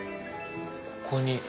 ここに。